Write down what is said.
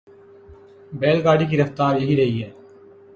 بیل گاڑی کی رفتار یہی رہے گی۔